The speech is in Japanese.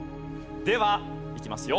ではいきますよ。